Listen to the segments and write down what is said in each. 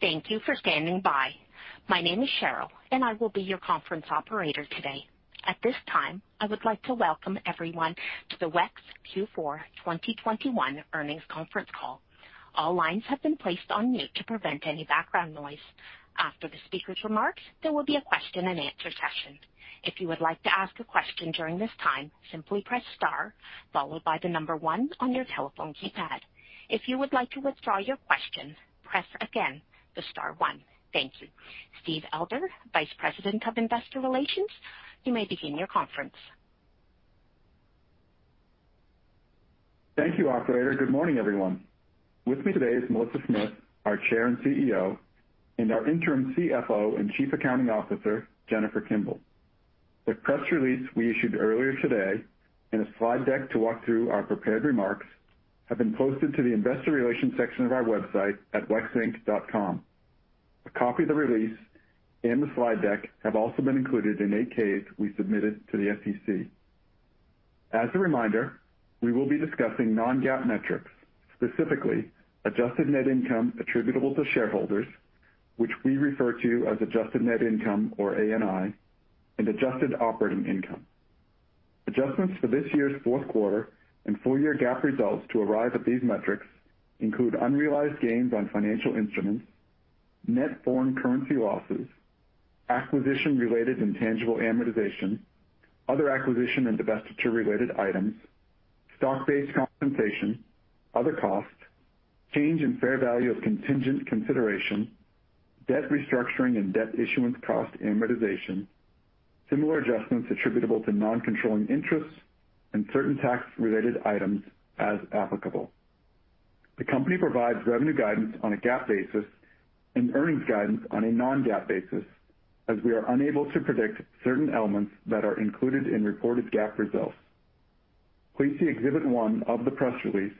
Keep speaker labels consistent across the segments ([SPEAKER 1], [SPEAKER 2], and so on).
[SPEAKER 1] Thank you for standing by. My name is Cheryl, and I will be your conference operator today. At this time, I would like to welcome everyone to the WEX Q4 2021 earnings conference call. All lines have been placed on mute to prevent any background noise. After the speaker's remarks, there will be a question-and-answer session. If you would like to ask a question during this time, simply press star followed by the number one on your telephone keypad. If you would like to withdraw your question, press again the star one. Thank you. Steve Elder, Vice President of Investor Relations, you may begin your conference.
[SPEAKER 2] Thank you, operator. Good morning, everyone. With me today is Melissa Smith, our Chair and CEO, and our interim CFO and Chief Accounting Officer, Jennifer Kimball. The press release we issued earlier today and a slide deck to walk through our prepared remarks have been posted to the investor relations section of our website at wexinc.com. A copy of the release and the slide deck have also been included in 8-Ks we submitted to the SEC. As a reminder, we will be discussing non-GAAP metrics, specifically adjusted net income attributable to shareholders, which we refer to as adjusted net income or ANI, and adjusted operating income. Adjustments for this year's fourth quarter and full year GAAP results to arrive at these metrics include unrealized gains on financial instruments, net foreign currency losses, acquisition-related intangible amortization, other acquisition and divestiture-related items, stock-based compensation, other costs, change in fair value of contingent consideration, debt restructuring and debt issuance cost amortization, similar adjustments attributable to non-controlling interests, and certain tax-related items as applicable. The company provides revenue guidance on a GAAP basis and earnings guidance on a non-GAAP basis, as we are unable to predict certain elements that are included in reported GAAP results. Please see exhibit one of the press release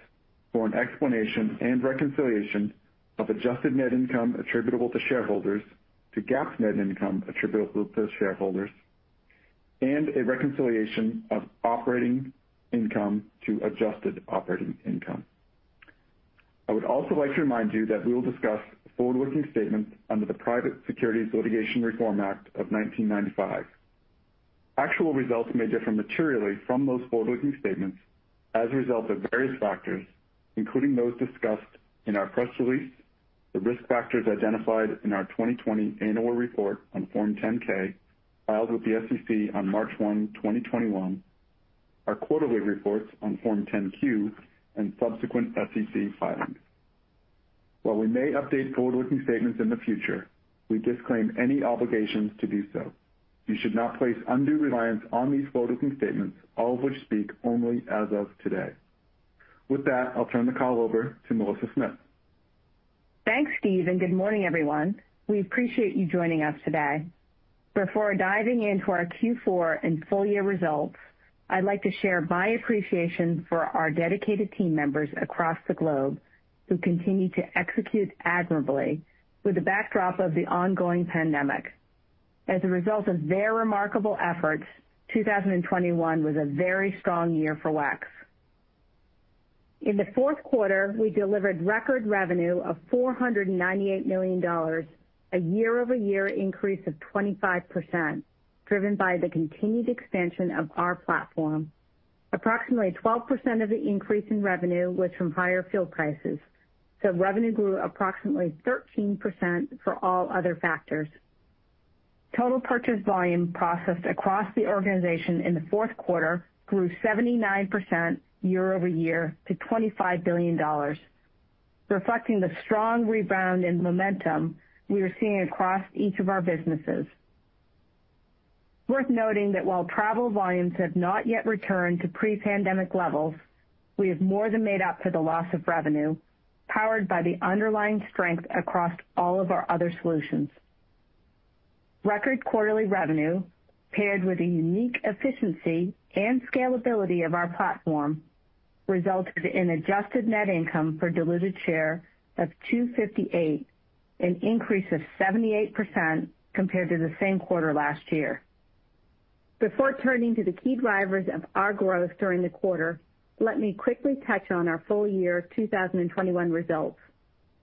[SPEAKER 2] for an explanation and reconciliation of adjusted net income attributable to shareholders to GAAP net income attributable to shareholders and a reconciliation of operating income to adjusted operating income. I would also like to remind you that we will discuss forward-looking statements under the Private Securities Litigation Reform Act of 1995. Actual results may differ materially from those forward-looking statements as a result of various factors, including those discussed in our press release, the risk factors identified in our 2020 annual report on Form 10-K filed with the SEC on March 1, 2021, our quarterly reports on Form 10-Q, and subsequent SEC filings. While we may update forward-looking statements in the future, we disclaim any obligations to do so. You should not place undue reliance on these forward-looking statements, all of which speak only as of today. With that, I'll turn the call over to Melissa Smith.
[SPEAKER 3] Thanks, Steve, and good morning, everyone. We appreciate you joining us today. Before diving into our Q4 and full-year results, I'd like to share my appreciation for our dedicated team members across the globe who continue to execute admirably with the backdrop of the ongoing pandemic. As a result of their remarkable efforts, 2021 was a very strong year for WEX. In the fourth quarter, we delivered record revenue of $498 million, a year-over-year increase of 25%, driven by the continued expansion of our platform. Approximately 12% of the increase in revenue was from higher fuel prices. Revenue grew approximately 13% for all other factors. Total purchase volume processed across the organization in the fourth quarter grew 79% year-over-year to $25 billion, reflecting the strong rebound in momentum we are seeing across each of our businesses. Worth noting that while travel volumes have not yet returned to pre-pandemic levels, we have more than made up for the loss of revenue, powered by the underlying strength across all of our other solutions. Record quarterly revenue paired with a unique efficiency and scalability of our platform resulted in adjusted net income per diluted share of $2.58, an increase of 78% compared to the same quarter last year. Before turning to the key drivers of our growth during the quarter, let me quickly touch on our full-year 2021 results.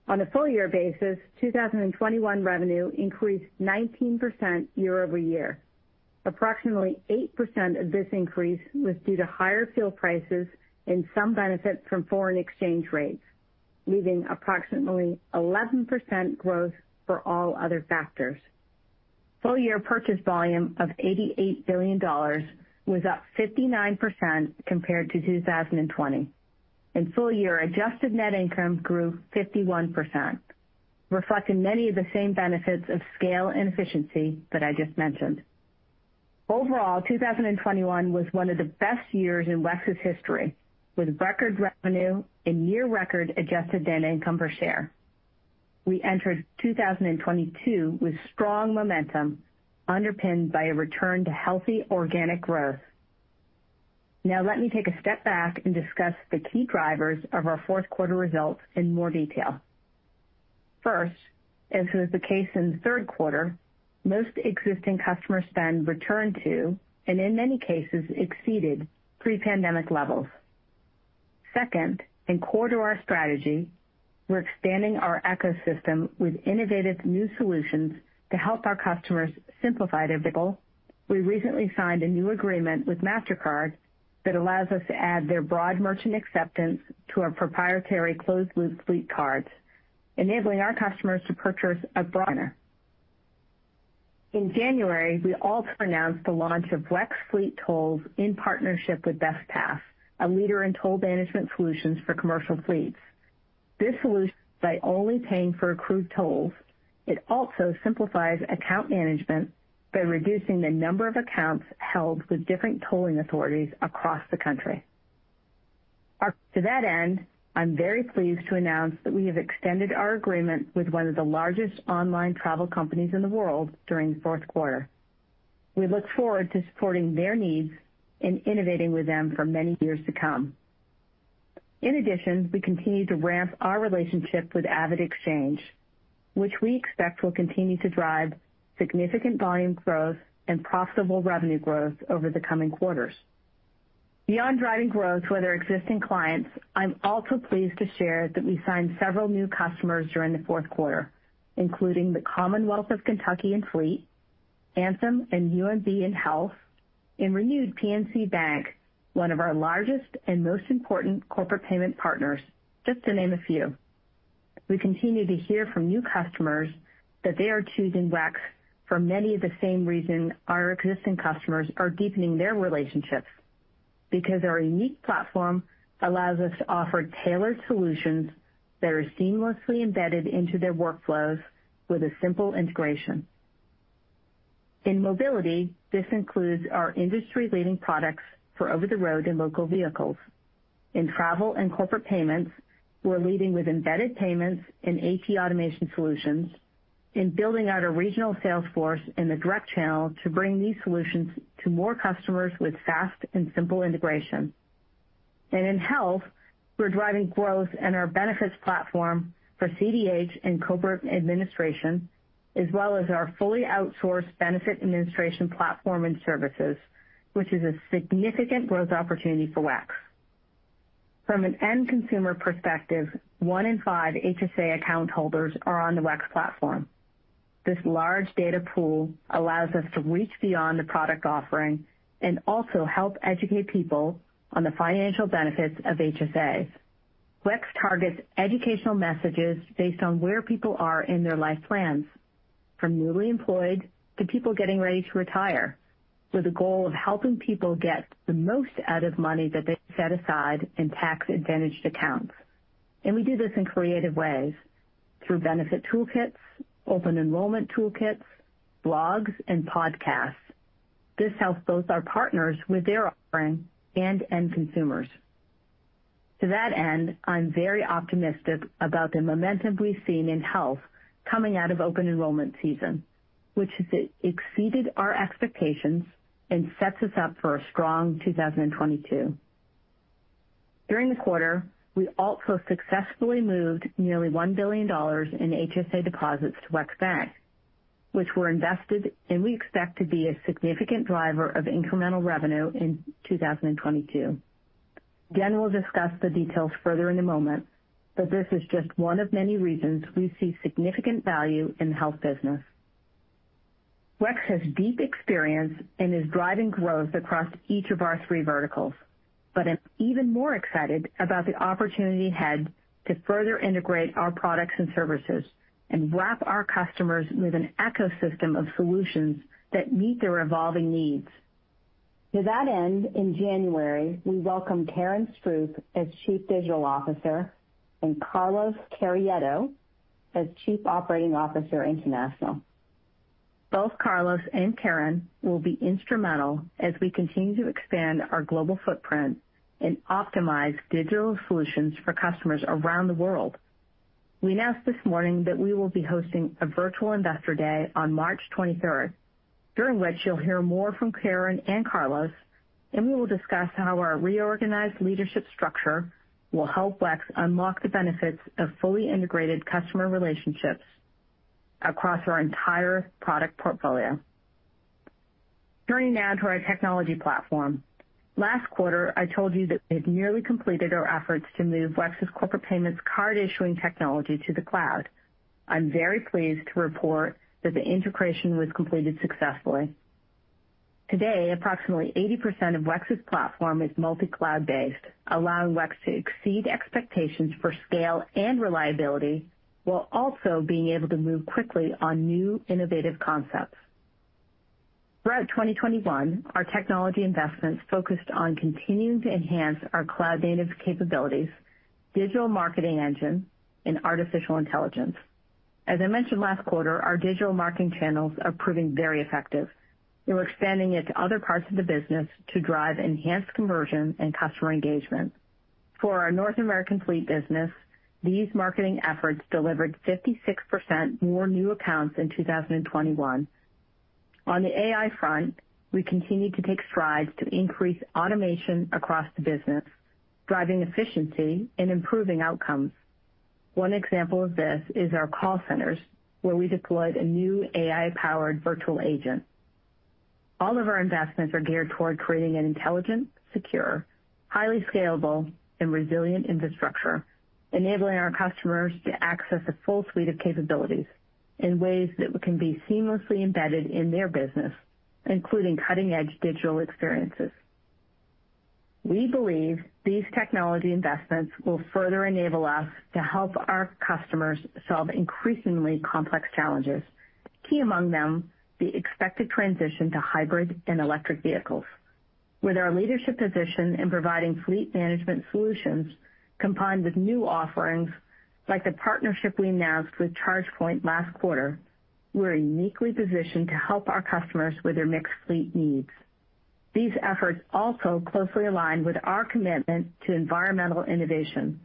[SPEAKER 3] On a full-year basis, 2021 revenue increased 19% year-over-year. Approximately 8% of this increase was due to higher fuel prices and some benefit from foreign exchange rates, leaving approximately 11% growth for all other factors. Full-year purchase volume of $88 billion was up 59% compared to 2020. Full-year adjusted net income grew 51%, reflecting many of the same benefits of scale and efficiency that I just mentioned. Overall, 2021 was one of the best years in WEX's history, with record revenue and year record adjusted net income per share. We entered 2022 with strong momentum underpinned by a return to healthy organic growth. Now let me take a step back and discuss the key drivers of our fourth quarter results in more detail. First, as was the case in the third quarter, most existing customer spend returned to and in many cases exceeded pre-pandemic levels. Second, and core to our strategy, we're expanding our ecosystem with innovative new solutions to help our customers simplify their vehicle. We recently signed a new agreement with Mastercard that allows us to add their broad merchant acceptance to our proprietary closed-loop fleet cards, enabling our customers to purchase a broader. In January, we also announced the launch of WEX Fleet Tolls in partnership with Bestpass, a leader in toll management solutions for commercial fleets. This solution not only pays for accrued tolls. It also simplifies account management by reducing the number of accounts held with different tolling authorities across the country. To that end, I'm very pleased to announce that we have extended our agreement with one of the largest online travel companies in the world during the fourth quarter. We look forward to supporting their needs and innovating with them for many years to come. In addition, we continue to ramp our relationship with AvidXchange, which we expect will continue to drive significant volume growth and profitable revenue growth over the coming quarters. Beyond driving growth with our existing clients, I'm also pleased to share that we signed several new customers during the fourth quarter, including the Commonwealth of Kentucky and Fleet, Anthem and UMB in health, and renewed PNC Bank, one of our largest and most important corporate payment partners, just to name a few. We continue to hear from new customers that they are choosing WEX for many of the same reasons our existing customers are deepening their relationships, because our unique platform allows us to offer tailored solutions that are seamlessly embedded into their workflows with a simple integration. In mobility, this includes our industry-leading products for over-the-road and local vehicles. In travel and corporate payments, we're leading with embedded payments and AP automation solutions and building out a regional sales force in the direct channel to bring these solutions to more customers with fast and simple integration. In health, we're driving growth in our benefits platform for CDH and corporate administration, as well as our fully outsourced benefit administration platform and services, which is a significant growth opportunity for WEX. From an end consumer perspective, one in five HSA account holders are on the WEX platform. This large data pool allows us to reach beyond the product offering and also help educate people on the financial benefits of HSA. WEX targets educational messages based on where people are in their life plans, from newly employed to people getting ready to retire, with the goal of helping people get the most out of money that they set aside in tax-advantaged accounts. We do this in creative ways through benefit toolkits, open enrollment toolkits, blogs, and podcasts. This helps both our partners with their offering and end consumers. To that end, I'm very optimistic about the momentum we've seen in health coming out of open enrollment season, which has exceeded our expectations and sets us up for a strong 2022. During the quarter, we also successfully moved nearly $1 billion in HSA deposits to WEX Bank, which were invested and we expect to be a significant driver of incremental revenue in 2022. Jan will discuss the details further in a moment, but this is just one of many reasons we see significant value in the health business. WEX has deep experience and is driving growth across each of our three verticals, but I'm even more excited about the opportunity ahead to further integrate our products and services and wrap our customers with an ecosystem of solutions that meet their evolving needs. To that end, in January, we welcomed Karen Stroup as Chief Digital Officer and Carlos Carriedo as Chief Operating Officer, International. Both Carlos and Karen will be instrumental as we continue to expand our global footprint and optimize digital solutions for customers around the world. We announced this morning that we will be hosting a virtual Investor Day on March 23rd, during which you'll hear more from Karen and Carlos, and we will discuss how our reorganized leadership structure will help WEX unlock the benefits of fully integrated customer relationships across our entire product portfolio. Turning now to our technology platform. Last quarter, I told you that we had nearly completed our efforts to move WEX's corporate payments card issuing technology to the cloud. I'm very pleased to report that the integration was completed successfully. Today, approximately 80% of WEX's platform is multi-cloud based, allowing WEX to exceed expectations for scale and reliability while also being able to move quickly on new innovative concepts. Throughout 2021, our technology investments focused on continuing to enhance our cloud-native capabilities, digital marketing engine, and artificial intelligence. As I mentioned last quarter, our digital marketing channels are proving very effective. We're expanding it to other parts of the business to drive enhanced conversion and customer engagement. For our North American fleet business, these marketing efforts delivered 56% more new accounts in 2021. On the AI front, we continue to take strides to increase automation across the business, driving efficiency and improving outcomes. One example of this is our call centers, where we deployed a new AI-powered virtual agent. All of our investments are geared toward creating an intelligent, secure, highly scalable, and resilient infrastructure, enabling our customers to access a full suite of capabilities in ways that can be seamlessly embedded in their business, including cutting-edge digital experiences. We believe these technology investments will further enable us to help our customers solve increasingly complex challenges. Key among them, the expected transition to hybrid and electric vehicles. With our leadership position in providing fleet management solutions combined with new offerings like the partnership we announced with ChargePoint last quarter, we're uniquely positioned to help our customers with their mixed fleet needs. These efforts also closely align with our commitment to environmental innovation,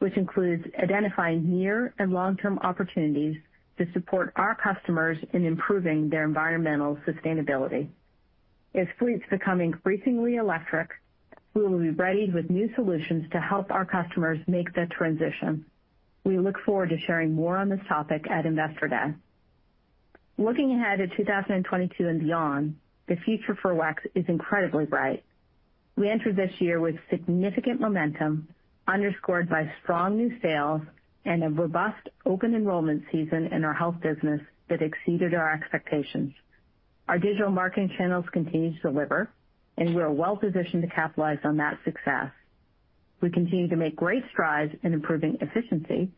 [SPEAKER 3] which includes identifying near and long-term opportunities to support our customers in improving their environmental sustainability. As fleets become increasingly electric, we will be ready with new solutions to help our customers make the transition. We look forward to sharing more on this topic at Investor Day. Looking ahead at 2022 and beyond, the future for WEX is incredibly bright. We entered this year with significant momentum underscored by strong new sales and a robust open enrollment season in our health business that exceeded our expectations. Our digital marketing channels continue to deliver, and we are well-positioned to capitalize on that success. We continue to make great strides in improving efficiency,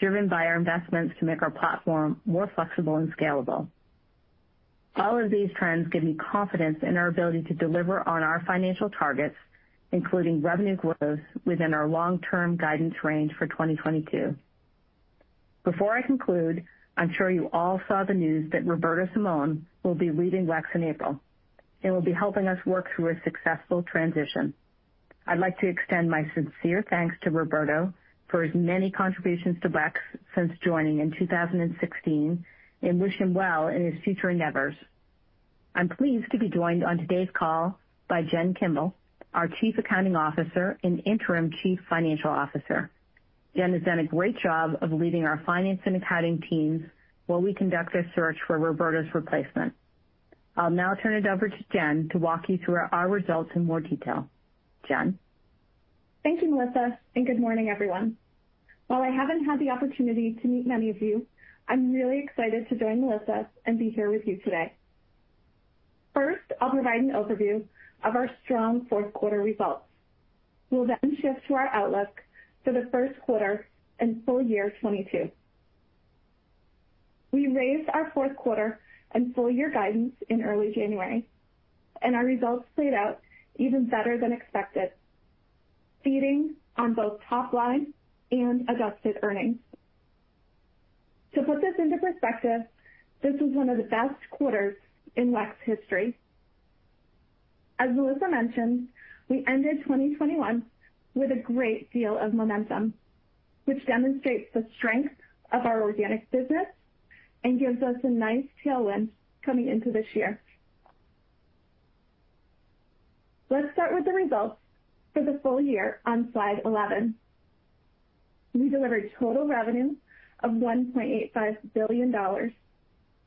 [SPEAKER 3] driven by our investments to make our platform more flexible and scalable. All of these trends give me confidence in our ability to deliver on our financial targets, including revenue growth within our long-term guidance range for 2022. Before I conclude, I'm sure you all saw the news that Roberto Simon will be leaving WEX in April and will be helping us work through a successful transition. I'd like to extend my sincere thanks to Roberto for his many contributions to WEX since joining in 2016 and wish him well in his future endeavors. I'm pleased to be joined on today's call by Jen Kimball, our Chief Accounting Officer and Interim Chief Financial Officer. Jen has done a great job of leading our finance and accounting teams while we conduct a search for Roberto's replacement. I'll now turn it over to Jen to walk you through our results in more detail. Jen?
[SPEAKER 4] Thank you, Melissa, and good morning, everyone. While I haven't had the opportunity to meet many of you, I'm really excited to join Melissa and be here with you today. First, I'll provide an overview of our strong fourth quarter results. We'll then shift to our outlook for the first quarter and full year 2022. We raised our fourth quarter and full year guidance in early January, and our results played out even better than expected, beating on both top line and adjusted earnings. To put this into perspective, this is one of the best quarters in WEX history. As Melissa mentioned, we ended 2021 with a great deal of momentum, which demonstrates the strength of our organic business and gives us a nice tailwind coming into this year. Let's start with the results for the full year on slide 11. We delivered total revenue of $1.85 billion,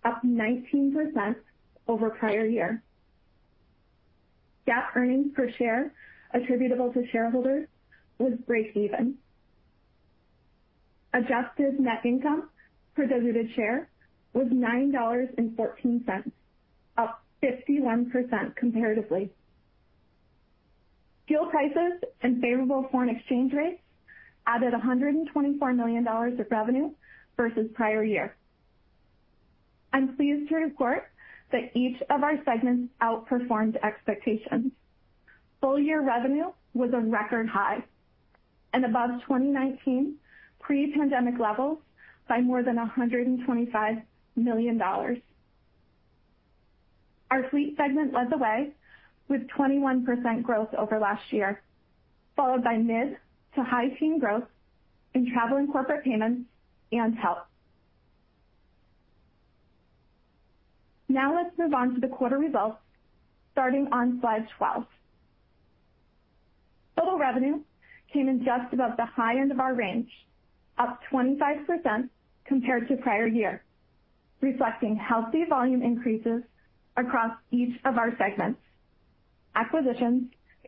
[SPEAKER 4] up 19% over prior year. GAAP earnings per share attributable to shareholders was breakeven. Adjusted net income per diluted share was $9.14, up 51% comparatively. Fuel prices and favorable foreign exchange rates added $124 million of revenue versus prior year. I'm pleased to report that each of our segments outperformed expectations. Full year revenue was a record high and above 2019 pre-pandemic levels by more than $125 million. Our fleet segment led the way with 21% growth over last year, followed by mid- to high-teens growth in travel and corporate payments and health. Now let's move on to the quarter results starting on slide 12. Total revenue came in just above the high end of our range, up 25% compared to prior year, reflecting healthy volume increases across each of our segments, acquisitions,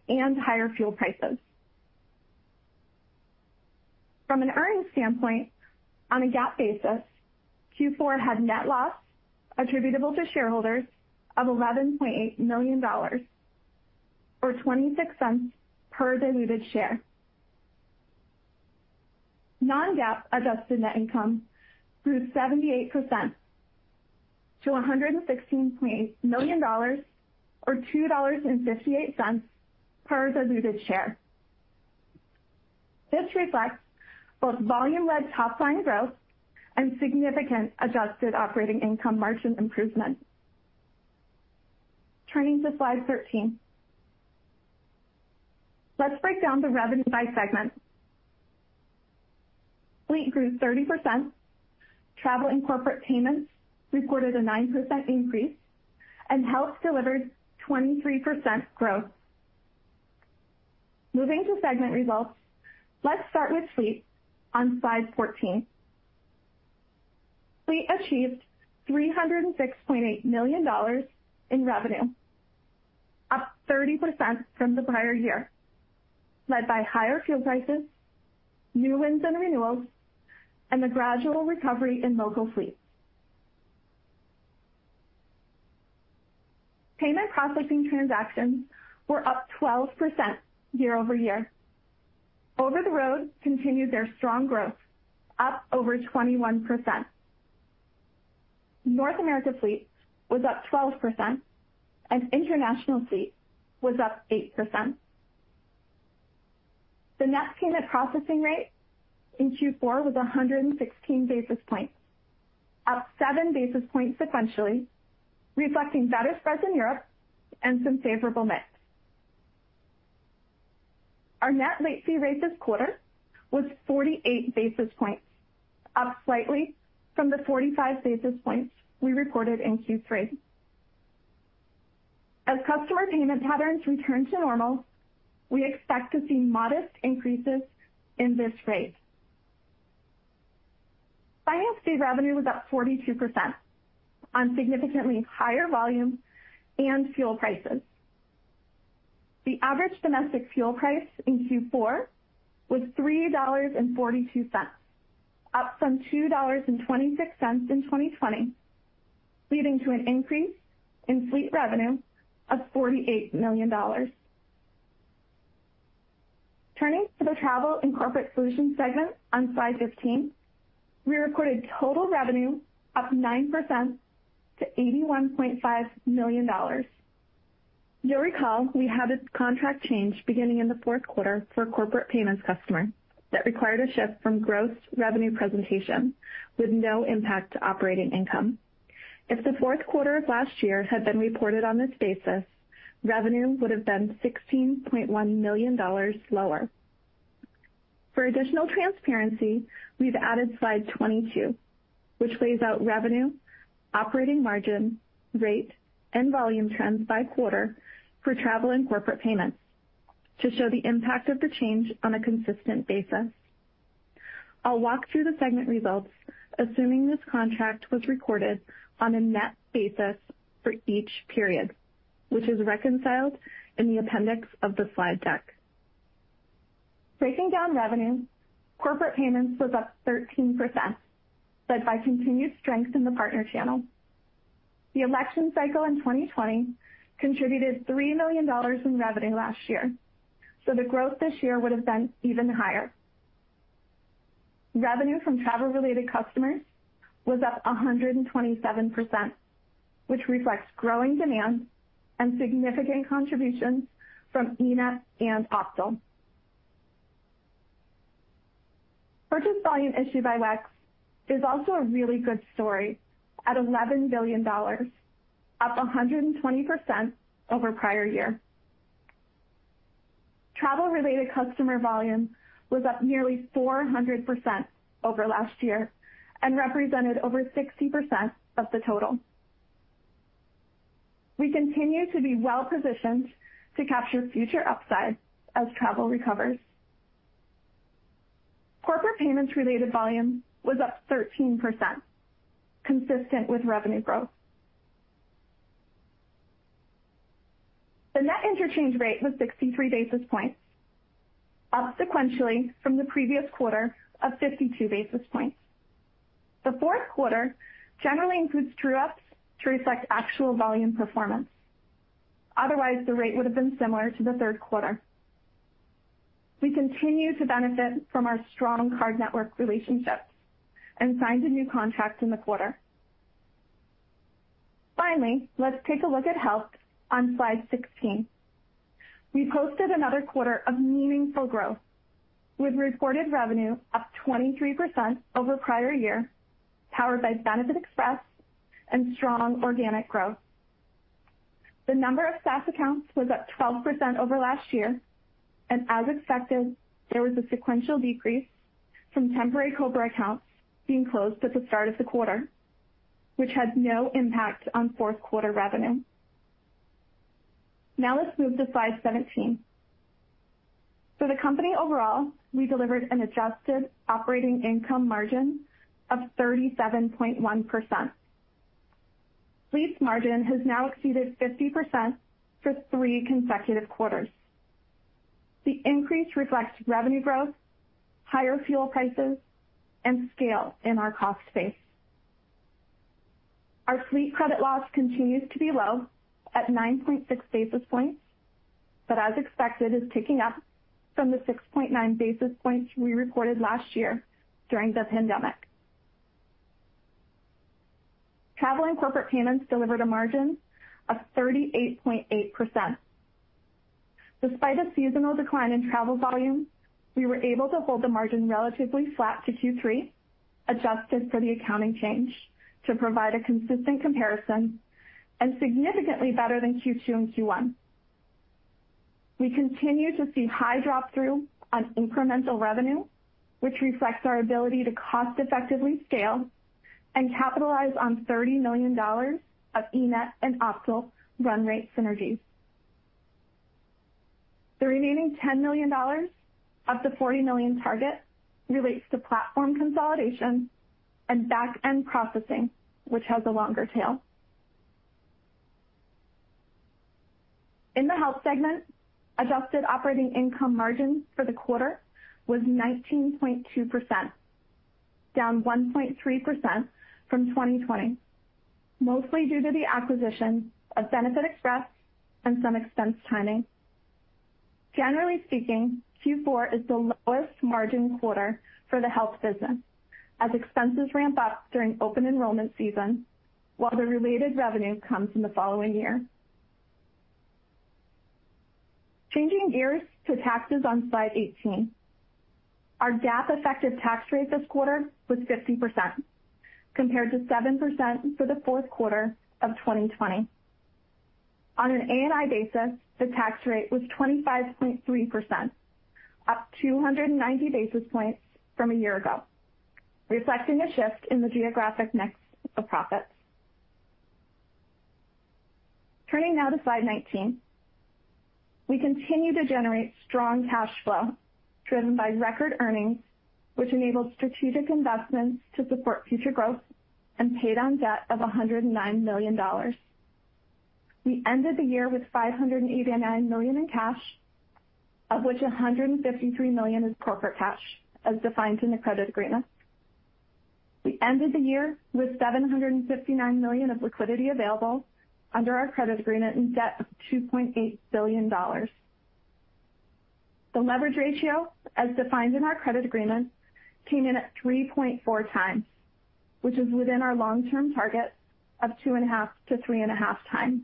[SPEAKER 4] and higher fuel prices. From an earnings standpoint, on a GAAP basis, Q4 had net loss attributable to shareholders of $11.8 million or $0.26 per diluted share. Non-GAAP adjusted net income grew 78% to $116.8 million or $2.58 per diluted share. This reflects both volume-led top-line growth and significant adjusted operating income margin improvement. Turning to slide 13. Let's break down the revenue by segment. Fleet grew 30%. Travel and Corporate Payments reported a 9% increase, and Health delivered 23% growth. Moving to segment results. Let's start with Fleet on slide 14. Fleet achieved $306.8 million in revenue, up 30% from the prior year, led by higher fuel prices, new wins and renewals, and the gradual recovery in local fleets. Payment processing transactions were up 12% year-over-year. Over-the-road continued their strong growth, up over 21%. North America fleet was up 12%, and international fleet was up 8%. The net payment processing rate in Q4 was 116 basis points, up seven basis points sequentially, reflecting better spreads in Europe and some favorable mix. Our net late fee rate this quarter was 48 basis points, up slightly from the 45 basis points we reported in Q3. As customer payment patterns return to normal, we expect to see modest increases in this rate. Finance fee revenue was up 42% on significantly higher volumes and fuel prices. The average domestic fuel price in Q4 was $3.42, up from $2.26 in 2020, leading to an increase in fleet revenue of $48 million. Turning to the travel and corporate solutions segment on slide 15. We recorded total revenue up 9% to $81.5 million. You'll recall we had a contract change beginning in the fourth quarter for a corporate payments customer that required a shift from gross revenue presentation with no impact to operating income. If the fourth quarter of last year had been reported on this basis, revenue would have been $16.1 million lower. For additional transparency, we've added slide 22, which lays out revenue, operating margin, rate, and volume trends by quarter for travel and corporate payments to show the impact of the change on a consistent basis. I'll walk through the segment results assuming this contract was recorded on a net basis for each period, which is reconciled in the appendix of the slide deck. Breaking down revenue, corporate payments was up 13%, led by continued strength in the partner channel. The election cycle in 2020 contributed $3 million in revenue last year, so the growth this year would have been even higher. Revenue from travel-related customers was up 127%, which reflects growing demand and significant contributions from eNett and Optal. Purchase volume issued by WEX is also a really good story at $11 billion, up 120% over prior year. Travel-related customer volume was up nearly 400% over last year and represented over 60% of the total. We continue to be well-positioned to capture future upside as travel recovers. Corporate payments-related volume was up 13%, consistent with revenue growth. The net interchange rate was 63 basis points, up sequentially from the previous quarter of 52 basis points. The fourth quarter generally includes true ups to reflect actual volume performance. Otherwise, the rate would have been similar to the third quarter. We continue to benefit from our strong card network relationships and signed a new contract in the quarter. Finally, let's take a look at Health on slide 16. We posted another quarter of meaningful growth, with reported revenue up 23% over prior year, powered by BenefitExpress and strong organic growth. The number of SaaS accounts was up 12% over last year, and as expected, there was a sequential decrease from temporary COBRA accounts being closed at the start of the quarter, which had no impact on fourth quarter revenue. Now let's move to slide 17. For the company overall, we delivered an adjusted operating income margin of 37.1%. Fleet's margin has now exceeded 50% for three consecutive quarters. The increase reflects revenue growth, higher fuel prices, and scale in our cost base. Our fleet credit loss continues to be low at 9.6 basis points, but as expected, is ticking up from the 6.9 basis points we reported last year during the pandemic. Travel and corporate payments delivered a margin of 38.8%. Despite a seasonal decline in travel volume, we were able to hold the margin relatively flat to Q3, adjusted for the accounting change to provide a consistent comparison and significantly better than Q2 and Q1. We continue to see high flow-through on incremental revenue, which reflects our ability to cost-effectively scale and capitalize on $30 million of eNett and Optal run rate synergies. The remaining $10 million of the $40 million target relates to platform consolidation and back-end processing, which has a longer tail. In the health segment, adjusted operating income margin for the quarter was 19.2%, down 1.3% from 2020, mostly due to the acquisition of BenefitExpress and some expense timing. Generally speaking, Q4 is the lowest margin quarter for the health business as expenses ramp up during open enrollment season while the related revenue comes in the following year. Changing gears to taxes on slide 18. Our GAAP effective tax rate this quarter was 50%, compared to 7% for the fourth quarter of 2020. On an ANI basis, the tax rate was 25.3%, up 290 basis points from a year ago, reflecting a shift in the geographic mix of profits. Turning now to slide 19. We continue to generate strong cash flow driven by record earnings, which enabled strategic investments to support future growth and paid down debt of $109 million. We ended the year with $589 million in cash, of which $153 million is corporate cash, as defined in the credit agreement. We ended the year with $759 million of liquidity available under our credit agreement and debt of $2.8 billion. The leverage ratio, as defined in our credit agreement, came in at 3.4 times, which is within our long term target of 2.5-3.5 times.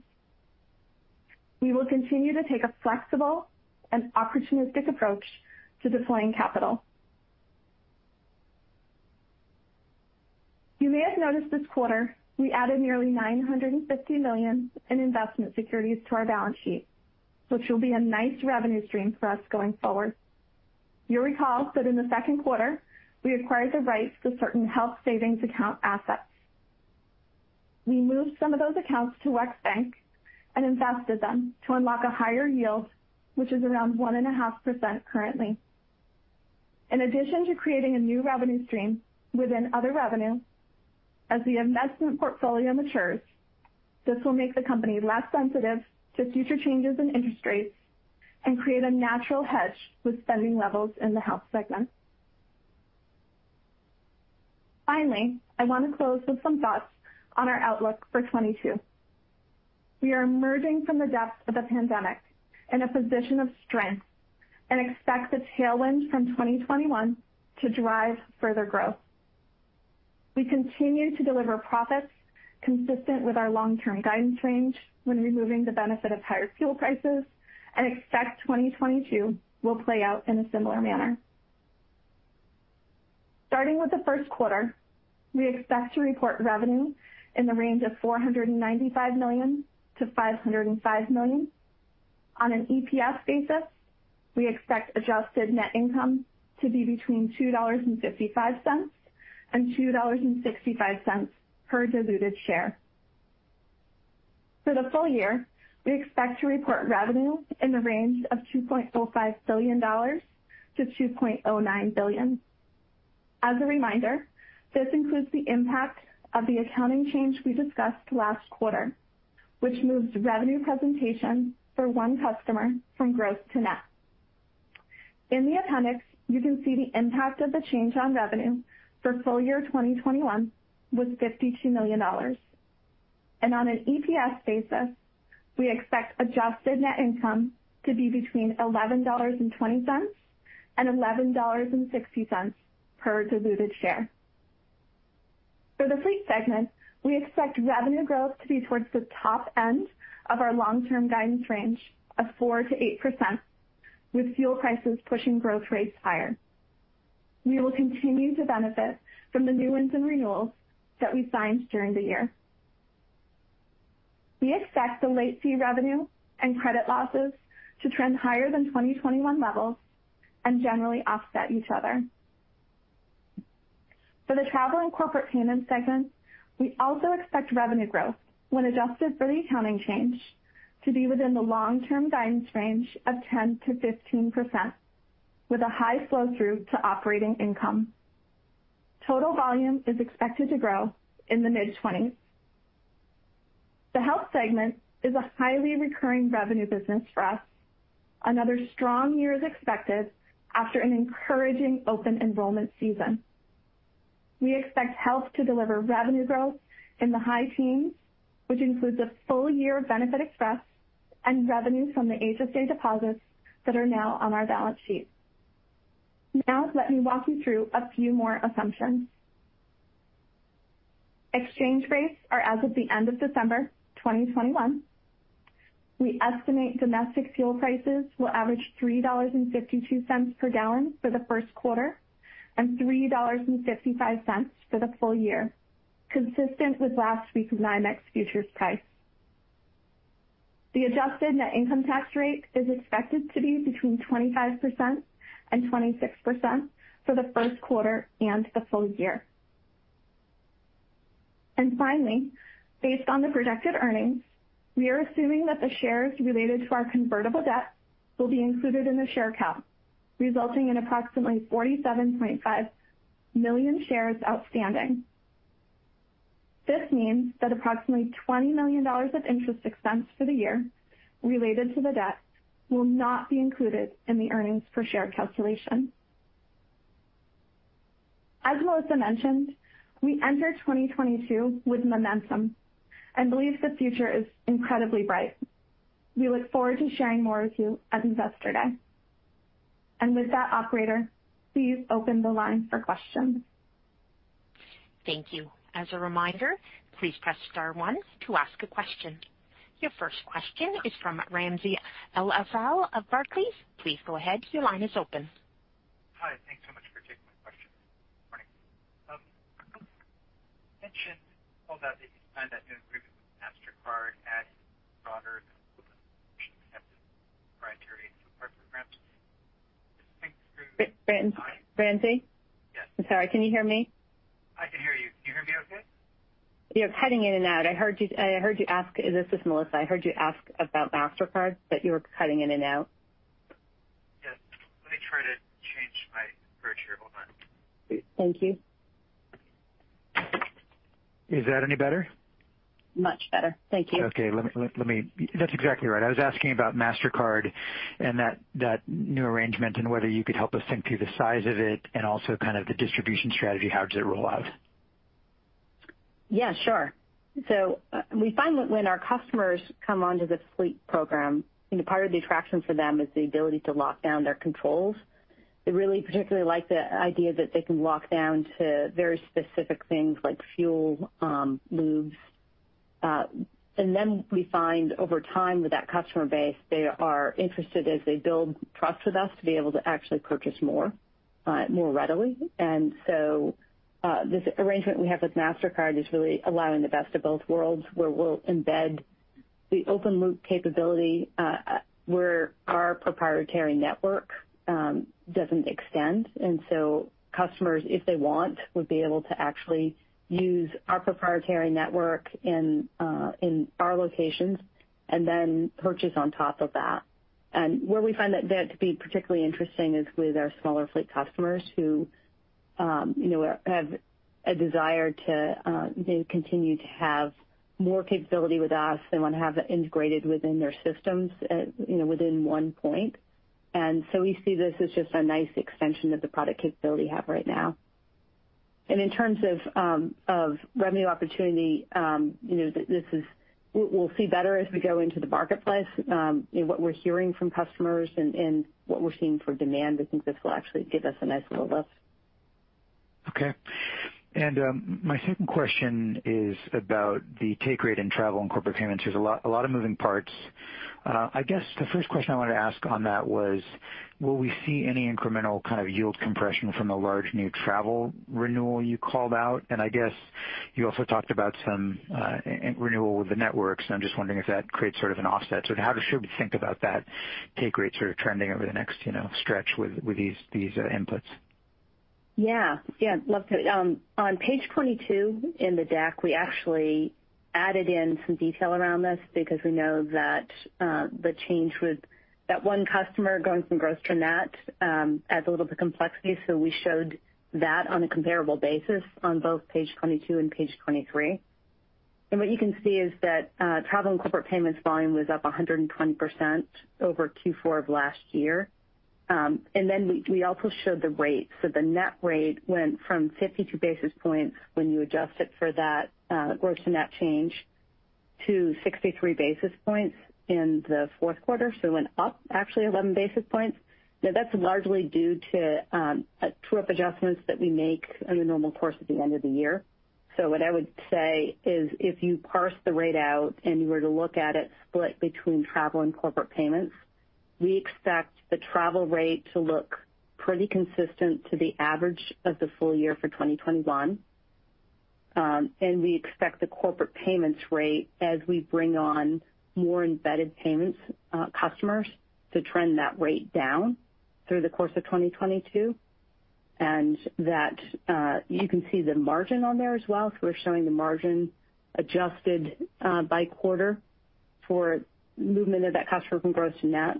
[SPEAKER 4] We will continue to take a flexible and opportunistic approach to deploying capital. You may have noticed this quarter we added nearly $950 million in investment securities to our balance sheet, which will be a nice revenue stream for us going forward. You'll recall that in the second quarter we acquired the rights to certain health savings account assets. We moved some of those accounts to WEX Bank and invested them to unlock a higher yield, which is around 1.5% currently. In addition to creating a new revenue stream within other revenue, as the investment portfolio matures, this will make the company less sensitive to future changes in interest rates and create a natural hedge with spending levels in the health segment. Finally, I want to close with some thoughts on our outlook for 2022. We are emerging from the depths of the pandemic in a position of strength and expect the tailwind from 2021 to drive further growth. We continue to deliver profits consistent with our long-term guidance range when removing the benefit of higher fuel prices, and expect 2022 will play out in a similar manner. Starting with the first quarter, we expect to report revenue in the range of $495 million-$505 million. On an EPS basis, we expect adjusted net income to be between $2.55 and $2.65 per diluted share. For the full year, we expect to report revenue in the range of $2.05 billion-$2.09 billion. As a reminder, this includes the impact of the accounting change we discussed last quarter, which moves revenue presentation for one customer from growth to net. In the appendix, you can see the impact of the change on revenue for full year 2021 was $52 million. On an EPS basis, we expect adjusted net income to be between $11.20 and $11.60 per diluted share. For the fleet segment, we expect revenue growth to be towards the top end of our long term guidance range of 4%-8%, with fuel prices pushing growth rates higher. We will continue to benefit from the new wins and renewals that we signed during the year. We expect the late fee revenue and credit losses to trend higher than 2021 levels and generally offset each other. For the travel and corporate payments segment, we also expect revenue growth when adjusted for the accounting change to be within the long term guidance range of 10%-15%, with a high flow through to operating income. Total volume is expected to grow in the mid-20s%. The Health segment is a highly recurring revenue business for us. Another strong year is expected after an encouraging open enrollment season. We expect Health to deliver revenue growth in the high teens, which includes a full year of BenefitExpress and revenue from the HSA deposits that are now on our balance sheet. Now let me walk you through a few more assumptions. Exchange rates are as of the end of December 2021. We estimate domestic fuel prices will average $3.52 per gallon for the first quarter. $3.55 for the full year, consistent with last week's NYMEX futures price. The adjusted net income tax rate is expected to be between 25% and 26% for the first quarter and the full year. Finally, based on the projected earnings, we are assuming that the shares related to our convertible debt will be included in the share count, resulting in approximately 47.5 million shares outstanding. This means that approximately $20 million of interest expense for the year related to the debt will not be included in the earnings per share calculation. As Melissa mentioned, we enter 2022 with momentum and believe the future is incredibly bright. We look forward to sharing more with you at Investor Day. With that, operator, please open the line for questions.
[SPEAKER 1] Thank you. As a reminder, please press star one to ask a question. Your first question is from Ramsey El-Assal of Barclays. Please go ahead. Your line is open.
[SPEAKER 5] Hi. Thanks so much for taking my question. Morning. You mentioned that you signed that new agreement with Mastercard is broader than proprietary programs. Just think through-
[SPEAKER 3] Ram-Ramsey?
[SPEAKER 5] Yes.
[SPEAKER 3] I'm sorry, can you hear me?
[SPEAKER 5] I can hear you. Can you hear me okay?
[SPEAKER 3] You're cutting in and out. I heard you ask. This is Melissa. I heard you ask about Mastercard, but you were cutting in and out.
[SPEAKER 5] Yes. Let me try to change my bridge here. Hold on.
[SPEAKER 3] Thank you.
[SPEAKER 5] Is that any better?
[SPEAKER 3] Much better. Thank you.
[SPEAKER 5] Okay. That's exactly right. I was asking about Mastercard and that new arrangement and whether you could help us think through the size of it and also kind of the distribution strategy. How does it roll out?
[SPEAKER 3] Yeah, sure. We find that when our customers come onto the fleet program, you know, part of the attraction for them is the ability to lock down their controls. They really particularly like the idea that they can lock down to very specific things like fuel, moves. We find over time with that customer base, they are interested as they build trust with us to be able to actually purchase more, more readily. This arrangement we have with Mastercard is really allowing the best of both worlds, where we'll embed the open loop capability, where our proprietary network doesn't extend. Customers, if they want, would be able to actually use our proprietary network in our locations and then purchase on top of that. Where we find that to be particularly interesting is with our smaller fleet customers who have a desire to continue to have more capability with us. They want to have it integrated within their systems within one point. In terms of revenue opportunity, we'll see better as we go into the marketplace what we're hearing from customers and what we're seeing for demand. We think this will actually give us a nice little lift.
[SPEAKER 5] Okay, my second question is about the take rate in travel and corporate payments. There's a lot of moving parts. I guess the first question I wanted to ask on that was, will we see any incremental kind of yield compression from the large new travel renewal you called out? I guess you also talked about some renewal with the networks, and I'm just wondering if that creates sort of an offset. How should we think about that take rate sort of trending over the next, you know, stretch with these inputs?
[SPEAKER 3] Yeah. Love to. On page 22 in the deck, we actually added in some detail around this because we know that the change with that one customer going from gross to net adds a little bit of complexity. We showed that on a comparable basis on both page 22 and page 23. What you can see is that travel and corporate payments volume was up 120% over Q4 of last year. We also showed the rate. The net rate went from 52 basis points when you adjust it for that gross to net change to 63 basis points in the fourth quarter. It went up actually 11 basis points. Now, that's largely due to true-up adjustments that we make in the normal course at the end of the year. What I would say is, if you parse the rate out and you were to look at it split between travel and corporate payments, we expect the travel rate to look pretty consistent to the average of the full year for 2021. We expect the corporate payments rate as we bring on more embedded payments customers to trend that rate down through the course of 2022. You can see the margin on there as well. We're showing the margin adjusted by quarter for movement of that customer from gross to net.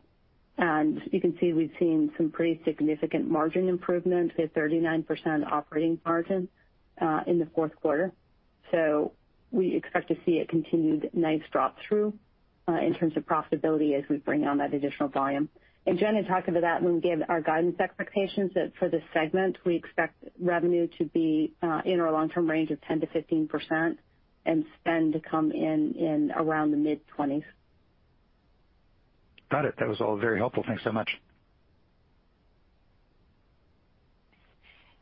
[SPEAKER 3] You can see we've seen some pretty significant margin improvement with 39% operating margin in the fourth quarter. We expect to see a continued nice drop through in terms of profitability as we bring on that additional volume. Jen had talked about that when we gave our guidance expectations that for this segment, we expect revenue to be in our long-term range of 10%-15% and spend to come in around the mid-20s.
[SPEAKER 5] Got it. That was all very helpful. Thanks so much.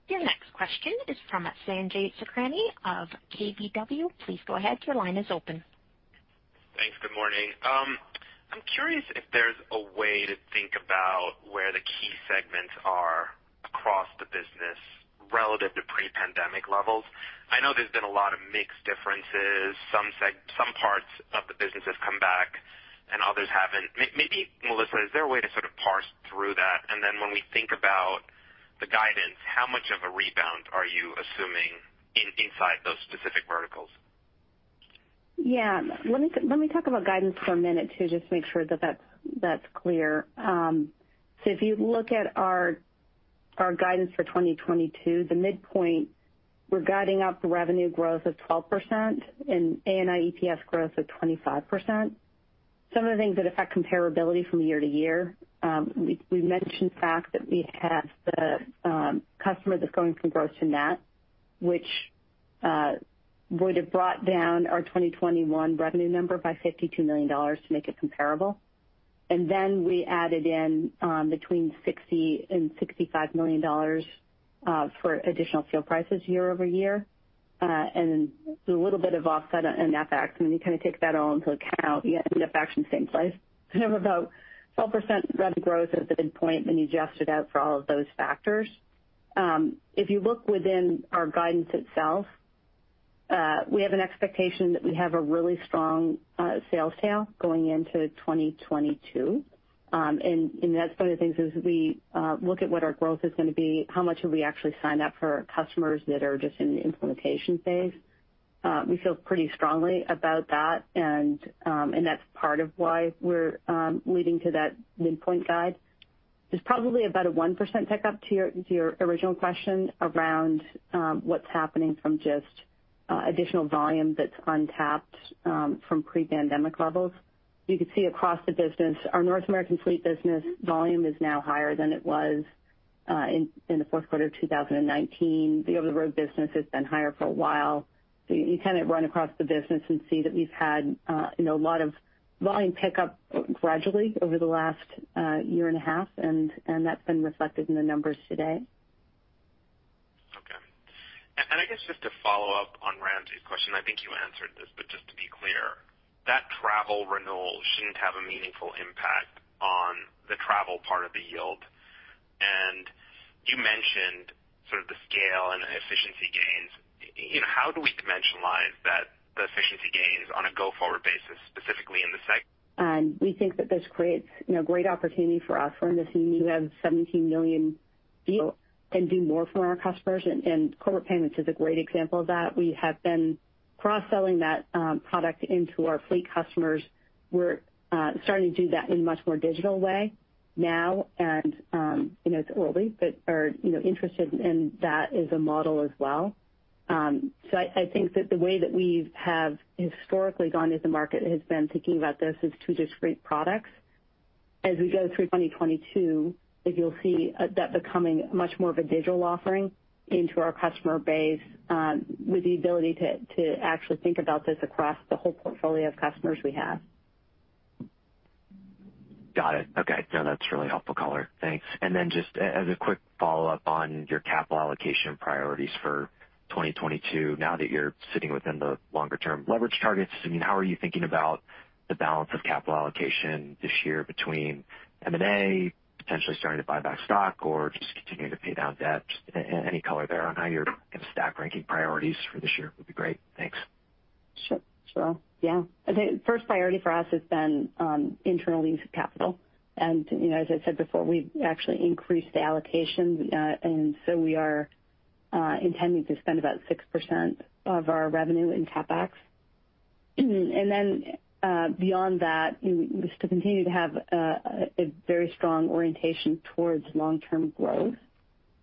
[SPEAKER 1] Your next question is from Sanjay Sakhrani of KBW. Please go ahead. Your line is open.
[SPEAKER 6] Thanks. Good morning. I'm curious if there's a way to think about where the key segments are across the business relative to pre-pandemic levels. I know there's been a lot of mix differences. Some parts of the business have come back and others haven't. Maybe, Melissa, is there a way to sort of parse through that? When we think about the guidance, how much of a rebound are you assuming inside those specific verticals?
[SPEAKER 3] Yeah. Let me talk about guidance for a minute too, just to make sure that that's clear. So if you look at our guidance for 2022, the midpoint, we're guiding up revenue growth of 12% and ANI EPS growth of 25%. Some of the things that affect comparability from year to year, we mentioned the fact that we have the customer that's going from gross to net, which would have brought down our 2021 revenue number by $52 million to make it comparable. Then we added in between $60 million and $65 million for additional fuel prices year over year, and a little bit of offset in FX. When you kind of take that all into account, you end up actually the same place. About 12% revenue growth at the midpoint when you adjust it out for all of those factors. If you look within our guidance itself, we have an expectation that we have a really strong sales tail going into 2022. That's one of the things as we look at what our growth is gonna be, how much have we actually signed up for our customers that are just in the implementation phase. We feel pretty strongly about that and that's part of why we're leading to that midpoint guide. There's probably about a 1% tick up to your original question around what's happening from just additional volume that's untapped from pre-pandemic levels. You can see across the business, our North American fleet business volume is now higher than it was in the fourth quarter of 2019. The over-the-road business has been higher for a while. You kind of run across the business and see that we've had, you know, a lot of volume pick up gradually over the last year and a half, and that's been reflected in the numbers today.
[SPEAKER 6] Okay. I guess just to follow up on Ramsey's question, I think you answered this, but just to be clear, that travel renewal shouldn't have a meaningful impact on the travel part of the yield. You mentioned sort of the scale and efficiency gains. You know, how do we dimensionalize that, the efficiency gains on a go-forward basis, specifically in the seg-
[SPEAKER 3] We think that this creates, you know, great opportunity for us. We're in this unique position where we have 17 million deals and do more for our customers, and corporate payments is a great example of that. We have been cross-selling that product into our fleet customers. We're starting to do that in a much more digital way now and, you know, it's early, but are, you know, interested in that as a model as well. I think that the way that we have historically gone into the market has been thinking about this as two discrete products. As we go through 2022, I think you'll see that becoming much more of a digital offering into our customer base, with the ability to actually think about this across the whole portfolio of customers we have.
[SPEAKER 6] Got it. Okay. No, that's really helpful color. Thanks. Just as a quick follow-up on your capital allocation priorities for 2022, now that you're sitting within the longer term leverage targets, I mean, how are you thinking about the balance of capital allocation this year between M&A, potentially starting to buy back stock or just continuing to pay down debt? Any color there on how you're gonna stack rank your priorities for this year would be great. Thanks.
[SPEAKER 3] Sure. Yeah. I think first priority for us has been internal use of capital. You know, as I said before, we've actually increased the allocation. We are intending to spend about 6% of our revenue in CapEx. Then, beyond that, you know, is to continue to have a very strong orientation towards long-term growth.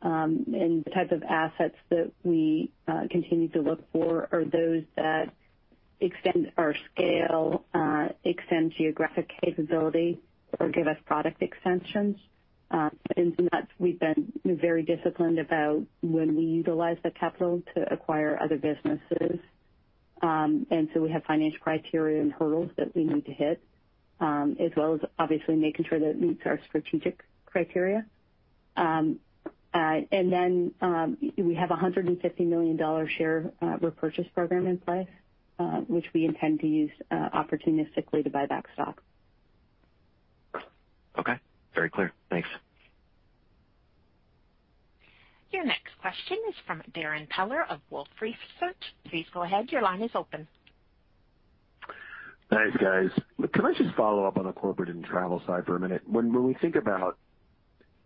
[SPEAKER 3] The type of assets that we continue to look for are those that extend our scale, extend geographic capability or give us product extensions. In that we've been very disciplined about when we utilize the capital to acquire other businesses. We have financial criteria and hurdles that we need to hit, as well as obviously making sure that it meets our strategic criteria. We have a $150 million share repurchase program in place, which we intend to use opportunistically to buy back stock.
[SPEAKER 6] Okay. Very clear. Thanks.
[SPEAKER 1] Your next question is from Darrin Peller of Wolfe Research. Please go ahead. Your line is open.
[SPEAKER 7] Thanks, guys. Can I just follow up on the corporate and travel side for a minute? When we think about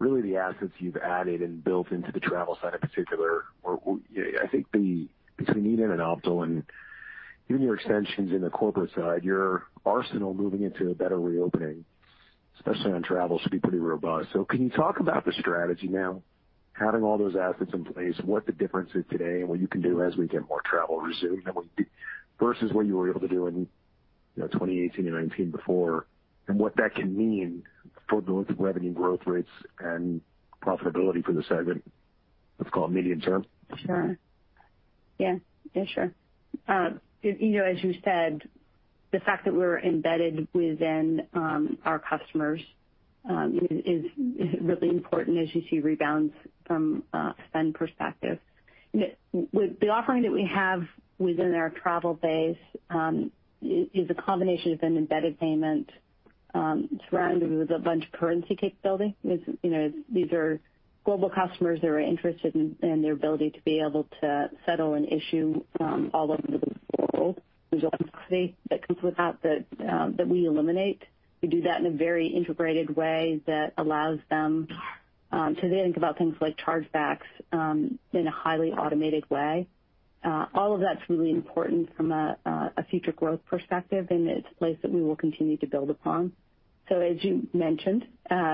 [SPEAKER 7] really the assets you've added and built into the travel side in particular, or, you know, I think the between eNett and Optal and even your extensions in the corporate side, your arsenal moving into a better reopening, especially on travel, should be pretty robust. Can you talk about the strategy now, having all those assets in place, what the difference is today and what you can do as we get more travel resuming than we did versus what you were able to do in, you know, 2018 and 2019 before, and what that can mean for both revenue growth rates and profitability for the segment, let's call it medium term?
[SPEAKER 3] Sure. Yeah, sure. You know, as you said, the fact that we're embedded within our customers is really important as you see rebounds from spend perspective. With the offering that we have within our travel base is a combination of an embedded payment surrounded with a bunch of currency capability. You know, these are global customers that are interested in their ability to be able to settle an issue all over the world. There's a complexity that comes with that that we eliminate. We do that in a very integrated way that allows them to then think about things like chargebacks in a highly automated way. All of that's really important from a future growth perspective, and it's a place that we will continue to build upon. As you mentioned,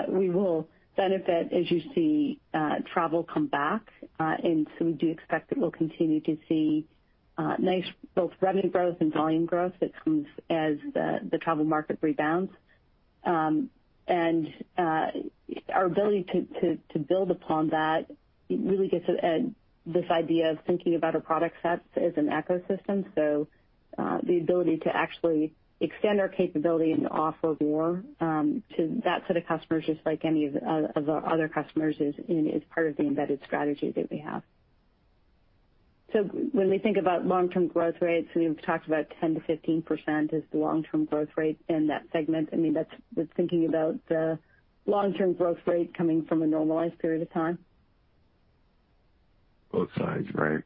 [SPEAKER 3] we will benefit as you see travel come back. We do expect that we'll continue to see nice both revenue growth and volume growth that comes as the travel market rebounds. Our ability to build upon that really gets at this idea of thinking about our product sets as an ecosystem. The ability to actually extend our capability and to offer more to that set of customers, just like any of our other customers is part of the embedded strategy that we have. When we think about long-term growth rates, we've talked about 10%-15% is the long-term growth rate in that segment. I mean, that's thinking about the long-term growth rate coming from a normalized period of time.
[SPEAKER 7] Both sides, right?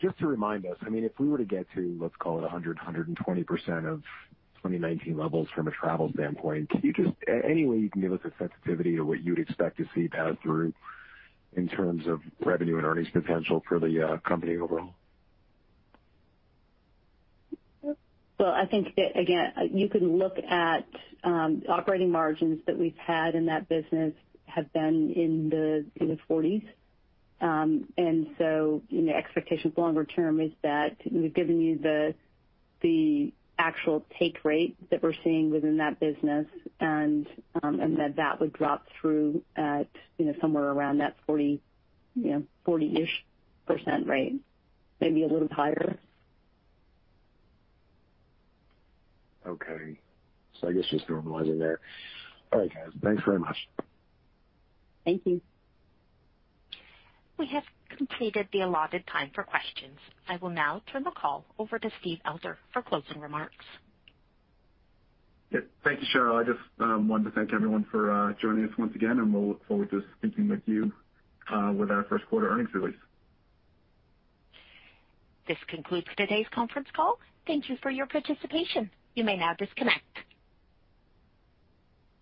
[SPEAKER 7] Just to remind us, I mean, if we were to get to, let's call it 120% of 2019 levels from a travel standpoint, can you just any way you can give us a sensitivity of what you would expect to see pass through in terms of revenue and earnings potential for the company overall?
[SPEAKER 3] Well, I think that, again, you can look at operating margins that we've had in that business have been in the 40s. You know, expectations longer term is that we've given you the actual take rate that we're seeing within that business, and that would drop through at, you know, somewhere around that 40-ish% range, maybe a little higher.
[SPEAKER 7] Okay. I guess just normalizing there. All right, guys. Thanks very much.
[SPEAKER 3] Thank you.
[SPEAKER 1] We have completed the allotted time for questions. I will now turn the call over to Steve Elder for closing remarks.
[SPEAKER 2] Yeah. Thank you, Cheryl. I just wanted to thank everyone for joining us once again, and we'll look forward to speaking with you with our first quarter earnings release.
[SPEAKER 1] This concludes today's conference call. Thank you for your participation. You may now disconnect.